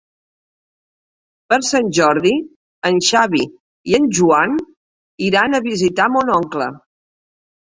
Per Sant Jordi en Xavi i en Joan iran a visitar mon oncle.